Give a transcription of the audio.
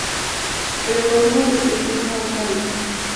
Reforma del sistema bancario.